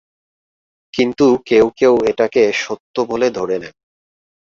কিন্তু কেউ কেউ এটাকে সত্য বলে ধরে নেন।